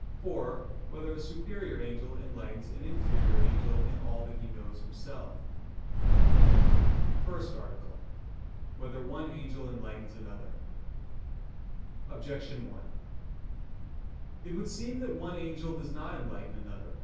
(4) Whether a superior angel enlightens an inferior angel in all that he knows himself? _______________________ FIRST ARTICLE [I, Q. 106, Art. 1] Whether One Angel Enlightens Another? Objection 1: It would seem that one angel does not enlighten another.